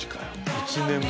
１年前。